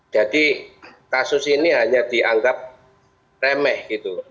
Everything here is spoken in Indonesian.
kasus ini hanya dianggap remeh gitu